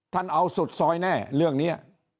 ท่านเอาสุดซอยแน่เรื่องนี้